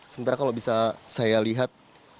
sementara kalau bisa saya lihat